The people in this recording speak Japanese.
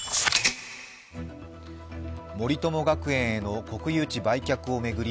森友学園への国有地売却を巡り